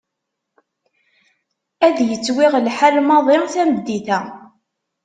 Ad yettwiɣ lḥal maḍi tameddit-a.